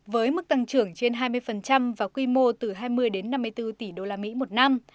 với mức tăng trưởng trên hai mươi và quy mô từ hai mươi đến năm mươi bốn tỷ usd một năm